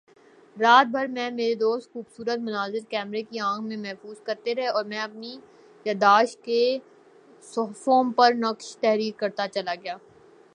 راستے بھر میں میرے دوست خوبصورت مناظر کیمرے کی آنکھ میں محفوظ کرتے رہے اور میں اپنی یادداشت کے صفحوں پر نقش تحریر کرتاچلا گیا